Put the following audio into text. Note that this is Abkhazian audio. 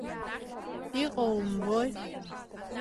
Иҟоу умбои!